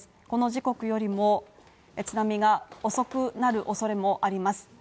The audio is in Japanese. この時刻よりも津波が遅くなる恐れもあります。